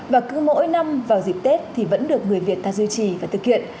và cứ mỗi năm vào dịp tết thì vẫn được người việt ta duy trì và thực hiện